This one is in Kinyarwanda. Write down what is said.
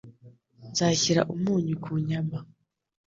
Nzashyira umunyu ku nyama.